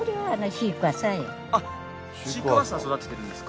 シークヮーサー育ててるんですか。